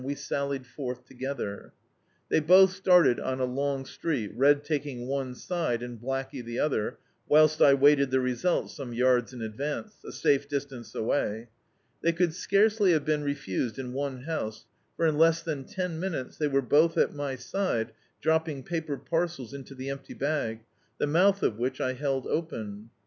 we sallied forth leather. They both started on a long street, Red taking one ade and Blackey tlie other, whilst I waited the result some yards in advance — a safe dis tance away. They could scarcely have been refused in one house, for in less than ten minutes they were both at my side, dropping paper parcels into die empty bag, the mouth of which I held open.